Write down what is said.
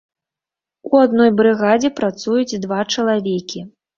У адной брыгадзе працуюць два чалавекі.